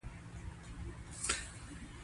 د خپلو ملګرو درناوی وکړئ.